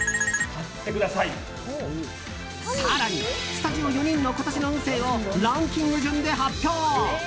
更に、スタジオ４人の今年の運勢をランキング順で発表。